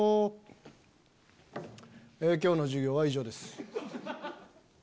今日の授業は以上です。